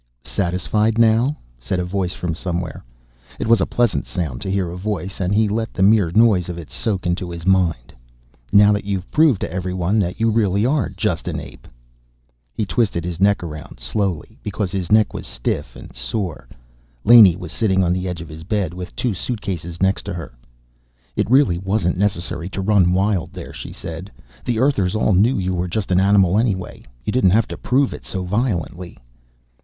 "Satisfied now?" said a voice from somewhere. It was a pleasant sound to hear, a voice, and he let the mere noise of it soak into his mind. "Now that you've proved to everyone that you really are just an ape?" He twisted his neck around slowly, because his neck was stiff and sore. Laney was sitting on the edge of his bed with two suitcases next to her. "It really wasn't necessary to run wild there," she said. "The Earthers all knew you were just an animal anyway. You didn't have to prove it so violently."